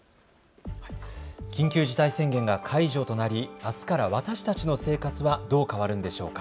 緊急事態宣言が解除となり、あすから私たちの生活はどう変わるんでしょうか。